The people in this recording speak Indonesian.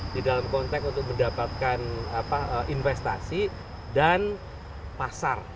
di dalam konteks untuk mendapatkan investasi dan pasar